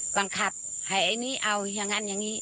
บังคับให้ไอ้นี่เอาอย่างนั้นอย่างนี้